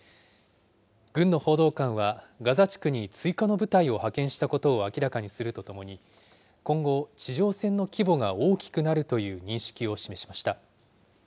軍の報道官はガザ地区に追加の部隊を派遣したことを明らかにするとともに、今後、地上戦の規模が大きくなるという認識を示しました。